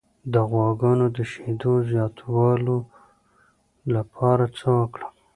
د غواګانو د شیدو زیاتولو لپاره څه وکړم؟